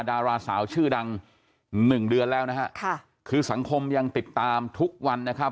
ดาราสาวชื่อดังหนึ่งเดือนแล้วนะฮะค่ะคือสังคมยังติดตามทุกวันนะครับ